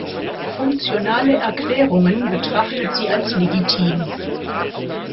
Funktionale Erklärungen betrachtet sie als legitim.